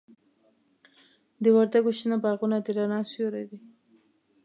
د وردګو شنه باغونه د رڼا سیوري دي.